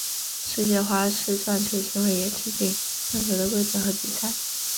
世界花式撞球协会也制定撞球的规则和比赛。